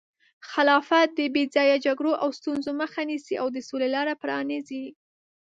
خلافت د بې ځایه جګړو او ستونزو مخه نیسي او د سولې لاره پرانیزي.